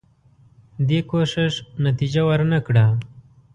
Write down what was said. دې کوښښ نتیجه ورنه کړه.